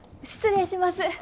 失礼します。